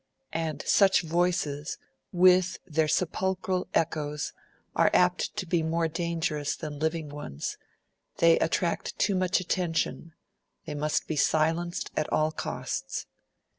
And such voices, with their sepulchral echoes, are apt to be more dangerous than living ones; they attract too much attention; they must be silenced at all costs.